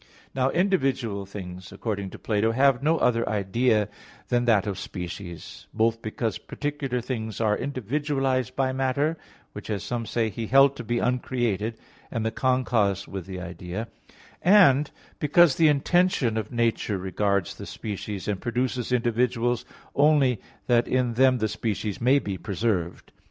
Now individual things, according to Plato, have no other idea than that of species; both because particular things are individualized by matter, which, as some say, he held to be uncreated and the concause with the idea; and because the intention of nature regards the species, and produces individuals only that in them the species may be preserved.